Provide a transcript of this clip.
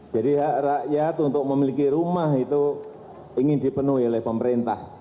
jadi hak rakyat untuk memiliki rumah itu ingin dipenuhi oleh pemerintah